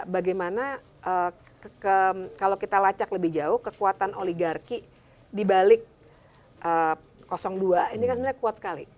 bagaimana kalau kita lacak lebih jauh kekuatan oligarki dibalik dua ini kan sebenarnya kuat sekali